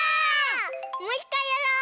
もういっかいやろう！